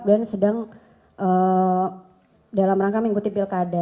sedang dalam rangka mengikuti pilkada